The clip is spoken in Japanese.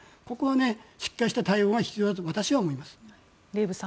ここはしっかりした対応が必要だと私は思います。